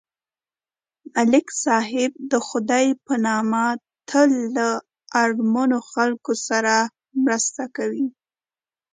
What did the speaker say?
ملک صاحب د خدای په نامه تل له اړمنو خلکو سره مرسته کوي.